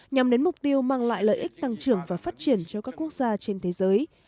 nhằm đến mục tiêu mang lại lợi ích tăng trưởng và phát triển cho các quốc gia trên thế giới